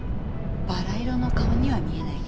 バラ色の顔には見えないけどね。